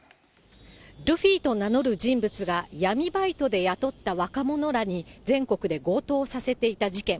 ルフィと名乗る人物が、闇バイトで雇った若者らに、全国で強盗をさせていた事件。